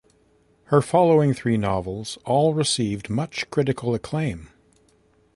Her following three novels all received much critical acclaim.